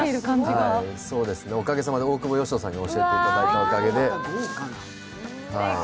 おかげさまで大久保嘉人さんに教えていただいたおかげで。